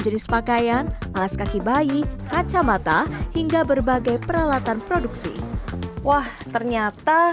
jenis pakaian alas kaki bayi kacamata hingga berbagai peralatan produksi wah ternyata